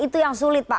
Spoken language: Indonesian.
itu yang sulit pak